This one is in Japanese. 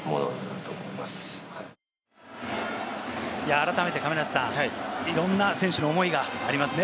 改めて亀梨さん、いろんな選手の思いがありますね。